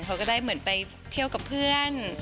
เขาก็ได้เหมือนไปเที่ยวกับเพื่อน